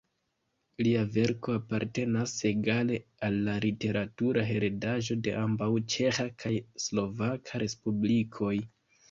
Lia verko apartenas egale al la literatura heredaĵo de ambaŭ ĉeĥa kaj slovaka respublikoj.